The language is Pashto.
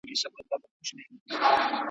دا سیر له هغه ښه دی!؟